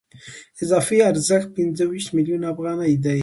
اضافي ارزښت پنځه ویشت میلیونه افغانۍ دی